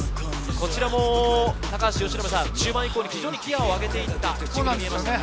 こちらも中盤以降に非常にギアを上げていったようでしたね。